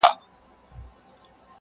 احساس د سړیتوب یم ور بللی خپل درشل ته-